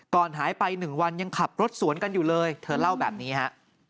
ก่อนหายไป๑วันยังขับรถสวนกันอยู่เลยเธอเล่าแบบนี้ฮะ